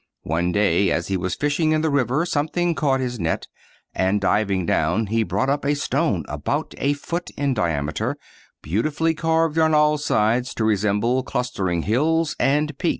One day as he was fishing in the river something caught his net, and diving down he brought up a stone about a foot in diameter, beautifully carved on all sides to resemble clustering hills and peaks.